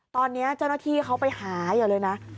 ตอนนี้เจ้าหน้าที่เขาไปหาอย่าเลยนะ